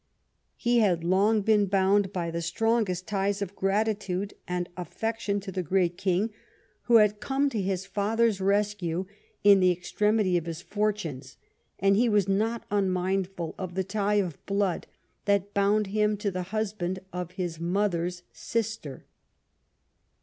He had long been bound by the strongest ties of gratitude and affection to the great king who had come to his father's rescue in the ex tremity of his fortunes, and he was not unmindful of the tie of blood that bound him to the husband of his mother's sister.